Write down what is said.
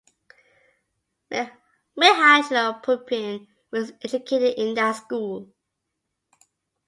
Mihajlo Pupin was educated in that school.